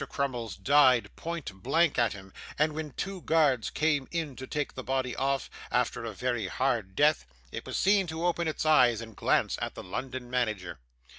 Crummles died point blank at him; and when the two guards came in to take the body off after a very hard death, it was seen to open its eyes and glance at the London manager.